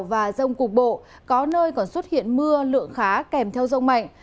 và rông cục bộ có nơi còn xuất hiện mưa lượng khá kèm theo rông mạnh